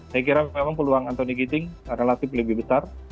saya kira memang peluang anthony ginting relatif lebih besar